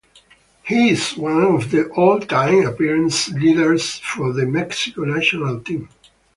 He is one of the all-time appearance leaders for the Mexico national team.